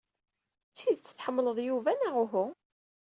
D tidet tḥemmleḍ Yuba neɣ uhu?